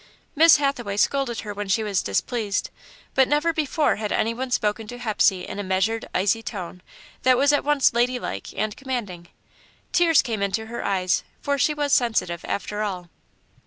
Miss Hathaway scolded her when she was displeased, but never before had any one spoken to Hepsey in a measured, icy tone that was at once lady like and commanding. Tears came into her eyes, for she was sensitive, after all.